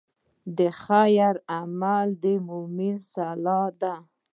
د خیر عمل د مؤمن سلاح ده.